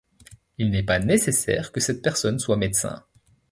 Il n'est pas nécessaire que cette personne soit médecin.